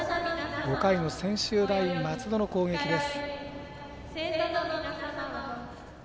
５回の専修大松戸の攻撃です。